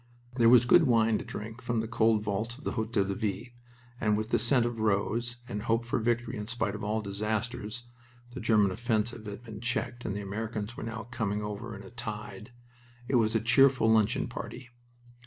There was good wine to drink from the cold vaults of the Hotel de Ville, and with the scent of rose and hope for victory in spite of all disasters the German offensive had been checked and the Americans were now coming over in a tide it was a cheerful luncheon party.